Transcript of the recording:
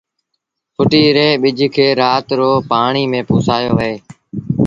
ڦٽيٚ ري ٻج کي رآت رو پآڻيٚ ميݩ پُسآيو وهي دو